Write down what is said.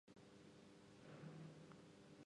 歌はあなたの大切な友達